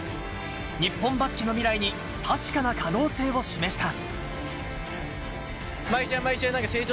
日本バスケの未来に確かな可能性を示した。